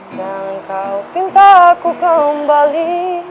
jangan kau pinta aku kembali